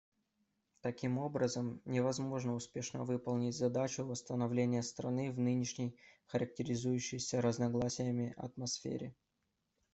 Таким образом, невозможно успешно выполнить задачу восстановления страны в нынешней характеризующейся разногласиями атмосфере.